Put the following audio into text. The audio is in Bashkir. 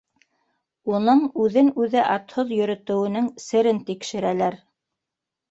Уның үҙен-үҙе атһыҙ йөрөтөүенең серен тикшерәләр.